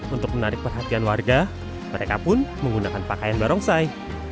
untuk menarik perhatian warga mereka pun menggunakan pakaian barongsai